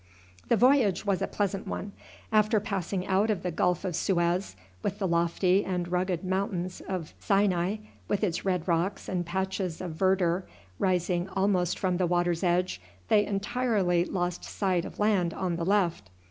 The voyage was a pleasant one. After passing out of the Gulf of Suez, with the lofty and rugged mountain of Sinai with its red rocks and patches of verdure rising almost from the water's edge, they entirely lost sight of land on the left.